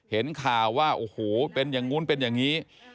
เห็นข่าวว่าโอ้โหเป็นอย่างนู้นเป็นอย่างนี้